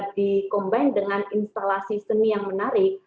dikombinasi dengan instalasi seni yang menarik